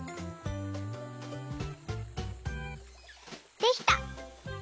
できた！